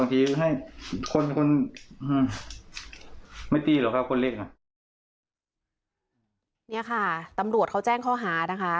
นี่ค่ะตำรวจเขาแจ้งข้อหานะคะ